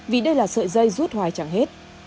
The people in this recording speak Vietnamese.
vì đây là sợi dây rút hoài chẳng hết